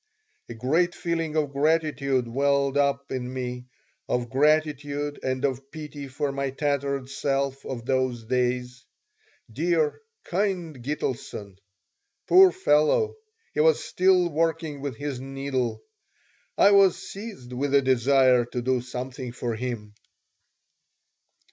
A great feeling of gratitude welled up in me, of gratitude and of pity for my tattered self of those days. Dear, kind Gitelson! Poor fellow! He was still working with his needle. I was seized with a desire to do something for him.